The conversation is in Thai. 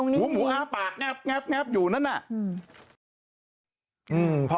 หัวหมูอ้างปากงับอยู่นั่นแหละ